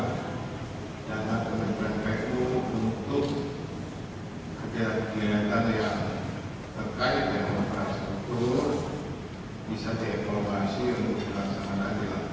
bisa diekonomasi untuk kelangsungan anggaran lampung